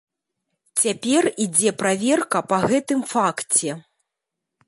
Цяпер ідзе праверка па гэтым факце.